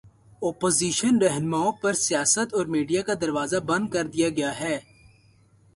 Opposition راہنماؤں پر سیاست اور میڈیا کا دروازہ بند کر دیا گیا ہے۔